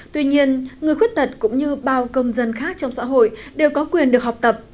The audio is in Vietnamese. tuy nhiên người khuyết tật cũng như bao công dân khác trong xã hội đều có quyền được học tập